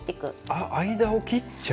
あっ間を切っちゃう。